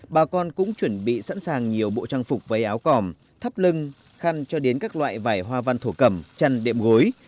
bà con cũng chuẩn bị sẵn sàng nhiều bộ trang phục váy áo cỏm thắp lưng khăn cho đến các loại vải hoa văn thổ cầm chăn đệm gối